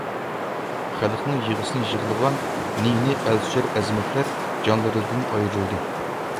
خەلقنىڭ يىغىسىنى يىغلىغان نى-نى ئەل سۆيەر ئەزىمەتلەر جانلىرىدىن ئايرىلدى.